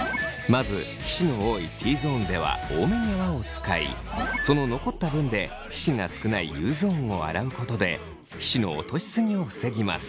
まず皮脂の多いＴゾーンでは多めに泡を使いその残った分で皮脂が少ないＵゾーンを洗うことで皮脂の落としすぎを防ぎます。